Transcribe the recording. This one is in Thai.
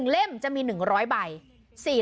เล่มจะมี๑๐๐ใบ